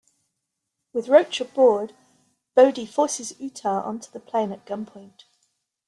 With Roach aboard, Bodhi forces Utah onto the plane at gunpoint.